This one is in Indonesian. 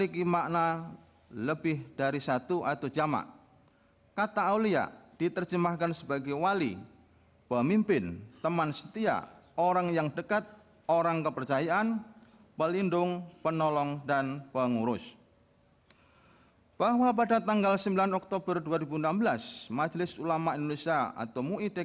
kepulauan seribu kepulauan seribu